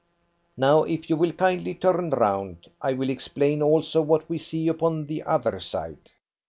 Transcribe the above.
Now, if you will kindly turn round, I will explain, also, what we see upon the other side."